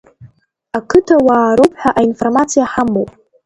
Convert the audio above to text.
Ақыҭауаа роуп ҳәа аинформациа ҳамоуп.